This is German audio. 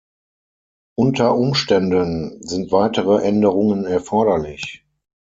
Unter Umständen sind weitere Änderungen erforderlich.